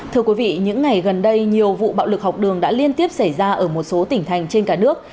thưa quý vị những ngày gần đây nhiều vụ bạo lực học đường đã liên tiếp xảy ra ở một số tỉnh thành trên cả nước